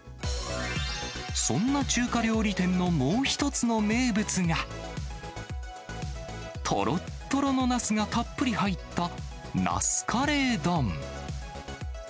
そんな中華料理店のもう一つの名物が、とろっとろのなすがたっぷり入ったナスカレー丼。